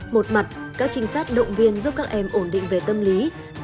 một mặt các trinh sát động viên giúp các em ổn định về tâm lý